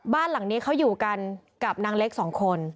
บ้านหลังนี้เขาอยู่กันกับนางเล็กสองคน